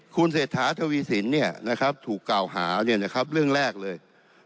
คุณเศรษฐาทวีสินถูกกล่าวหาเรื่องแรกเลย